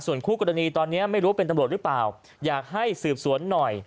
ส่วนคู่กรณีตอนนี้ไม่รู้เป็นตำรวจหรือเปล่าอยากให้สืบสวนหน่อย